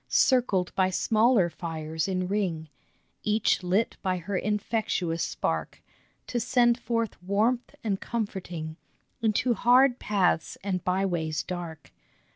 Circled by smaller fires in ring, Each lit by her infectious spark To send forth warmth and comforting Into hard paths and by ways dark.